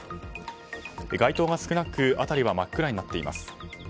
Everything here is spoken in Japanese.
街灯が少なく辺りは真っ暗になっています。